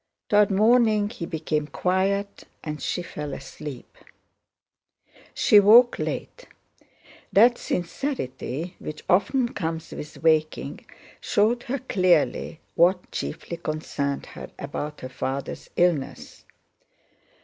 Toward morning he became quiet and she fell asleep. She woke late. That sincerity which often comes with waking showed her clearly what chiefly concerned her about her father's illness.